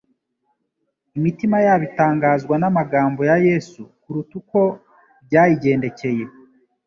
Imitima yabo itangazwa n'amagambo ya Yesu kuruta uko byayigendekeye